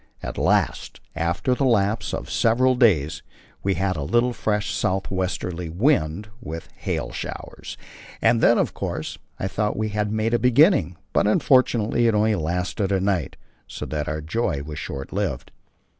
At last, after the lapse of several days, we had a little fresh south westerly wind with hail showers, and then, of course, I thought we had made a beginning; but unfortunately it only lasted a night, so that our joy was short lived.